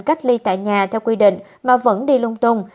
cách ly tại nhà theo quy định mà vẫn đi lung tung